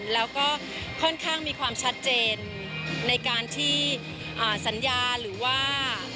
แล้วก็ค่อนข้างมีความชัดเจนในการที่สัญญาหรือว่า